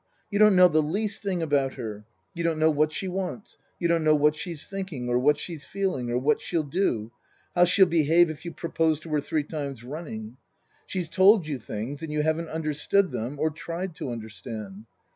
You don't know the least thing about her. You don't know what she wants, you don't know what she's thinking, or what she's feeling, or what she'll do how she'll behave if you propose to her three times running. She's told you things and you haven't understood them, or tried to understand.